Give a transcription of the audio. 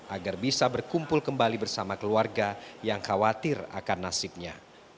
agar bisa berkumpul kembali bersama keluarga yang khawatir akan nasibnya